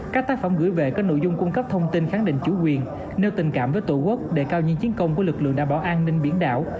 các tác phẩm gửi về có nội dung cung cấp thông tin khẳng định chủ quyền nêu tình cảm với tổ quốc đề cao những chiến công của lực lượng đảm bảo an ninh biển đảo